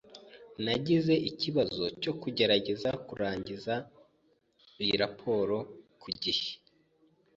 Nagize ikibazo cyo kugerageza kurangiza iyi raporo ku gihe.